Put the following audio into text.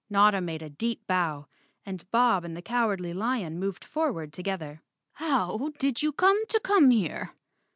Notta made a deep bow and Bob and the Cowardly lion moved forward together. "How did you come to come here?"